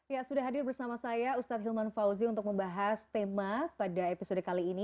ya sudah hadir bersama saya ustadz hilman fauzi untuk membahas tema pada episode kali ini